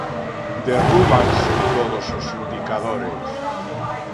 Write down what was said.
Derrúbanse todos os indicadores.